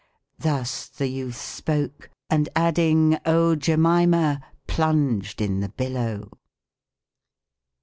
Thus the youth spoke ; and adding, ' Oh, Jemima !' Plunsed in the billow